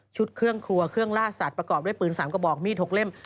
เครื่องครัวเครื่องล่าสัตว์ประกอบด้วยปืน๓กระบอกมีด๖เล่ม